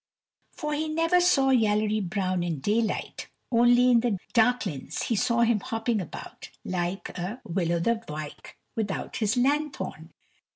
For he never saw Yallery Brown in daylight; only in the darklins he saw him hopping about, like a Will o th' wyke without his lanthorn.